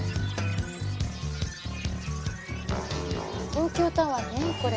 東京タワーねこれ。